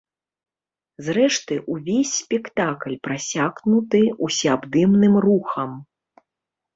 Зрэшты, увесь спектакль прасякнуты ўсеабдымным рухам.